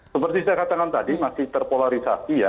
seperti saya katakan tadi masih terpolarisasi ya